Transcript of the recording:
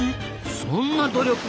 そんな努力まで！